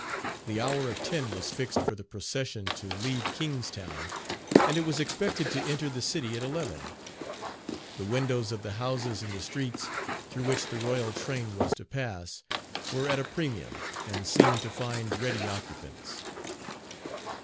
The hour of ten was fixed for the procession to leave Kingstown, and it was expected to enter the city at eleven. The windows of the houses in the streets through which the Royal train was to pass, were at a premium, and seemed to find ready occupants.